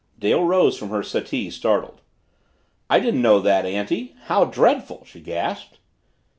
Dale rose from her settee, startled. "I didn't know that, Auntie! How dreadful!" she gasped.